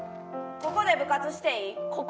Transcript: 「ここで部活していい？」